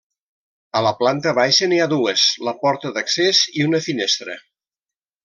A la planta baixa n'hi ha dues, la porta d'accés i una finestra.